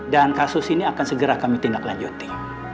dan kasus ini akan segera kami tindaklanjuti